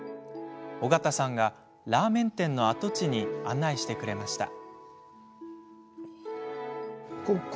尾形さんがラーメン店の跡地に案内してくれました。